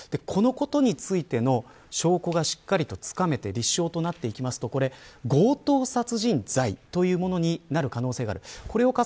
このことについての証拠がしっかりとつかめて立証となっていくと強盗殺人罪というものになる可能性がある。